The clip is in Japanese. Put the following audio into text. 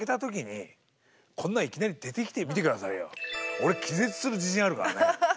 俺気絶する自信あるからね。